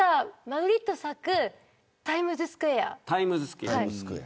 マグリット作タイムズスクエア。